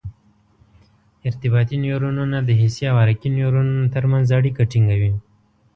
ارتباطي نیورونونه د حسي او حرکي نیورونونو تر منځ اړیکه ټینګوي.